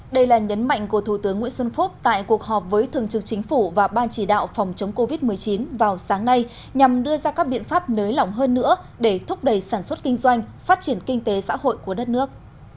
đây là nhấn mạnh của thủ tướng nguyễn xuân phúc tại cuộc họp với thường trực chính phủ và ban chỉ đạo phòng chống covid một mươi chín vào sáng nay nhằm đưa ra các biện pháp nới lỏng hơn nữa để thúc đẩy sản xuất kinh doanh phát triển kinh tế xã hội của đất nước